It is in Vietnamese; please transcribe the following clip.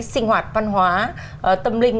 sinh hoạt văn hóa tâm linh